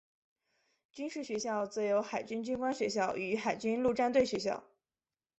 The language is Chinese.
军事学校则有海军军官学校与海军陆战队学校。